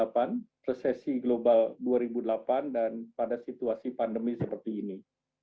resesi global dua ribu delapan dan pada situasi pandemi seperti ini